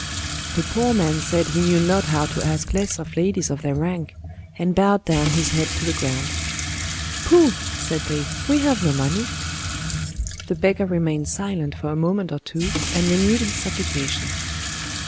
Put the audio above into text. The poor man said he knew not how to ask less of ladies of their rank, and bowed down his head to the ground. " Pooh !" said they, " we have no money." The beggar remained silent for a moment or two, and renewed his supplication.